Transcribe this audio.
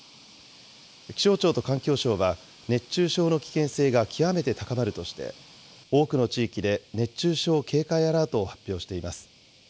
気象庁と環境省は熱中症の危険性が極めて高まるとして、多くの地域で熱中症警戒アラートを発表しています。